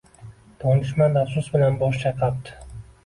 Donishmand afsus bilan bosh chayqabdi: